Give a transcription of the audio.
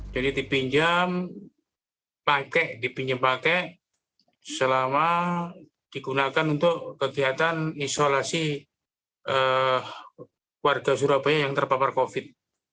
jadi dipinjam pakai selama digunakan untuk kegiatan isolasi warga surabaya yang terpapar covid